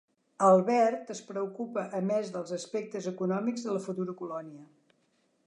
Albert es preocupa a més dels aspectes econòmics de la futura colònia.